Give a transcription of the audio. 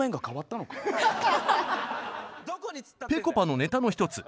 ぺこぱのネタの１つ。